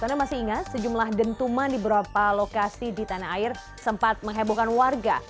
anda masih ingat sejumlah dentuman di beberapa lokasi di tanah air sempat menghebohkan warga